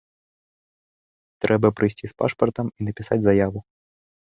Трэба прыйсці з пашпартам і напісаць заяву.